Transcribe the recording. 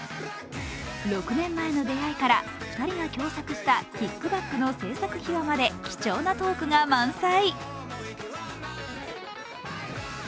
６年前の出会いから２人が共作した「ＫＩＣＫＢＡＣＫ」の制作秘話まで貴重なトークが満載。